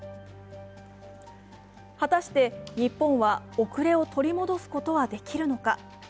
果たして日本は遅れを取り戻すことはできるのか。